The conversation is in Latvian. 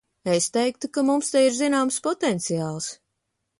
Es teiktu, ka mums te ir zināms potenciāls.